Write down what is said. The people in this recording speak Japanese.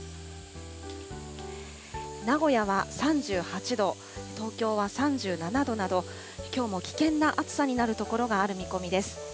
名古屋は３８度、東京は３７度など、きょうも危険な暑さになる所がある見込みです。